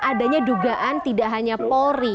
adanya dugaan tidak hanya polri